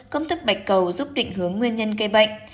công thức bạch cầu giúp định hướng nguyên nhân gây bệnh